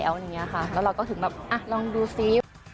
แล้วเราก็ถึงแบบอ่ะลองดูซิ